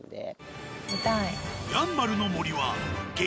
やんばるの森は激